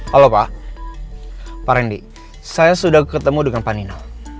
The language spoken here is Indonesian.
halo pak randy saya sudah ketemu dengan pak nino